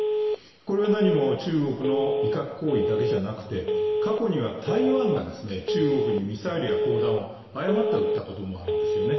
これは何も中国の威嚇行為だけじゃなくて、過去には台湾が中国にミサイルや砲弾を誤って撃ったこともあるんですよね。